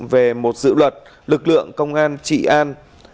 về một dự luật lực lượng công an trị an